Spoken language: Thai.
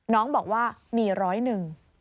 น้องบอกว่ามีร้อยหนึ่ง